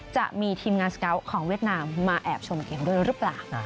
จะมีทีมงานสเกาะของเวียดนามมาแอบชมเกมด้วยหรือเปล่า